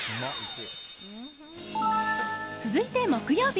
続いて木曜日。